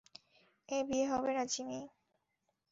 এ বিয়ে হবে না, জিমি!